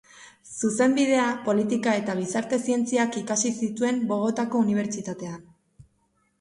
Zuzenbidea, politika- eta gizarte-zientziak ikasi zituen Bogotako Unibertsitatean.